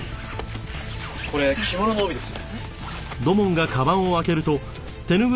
これ着物の帯です。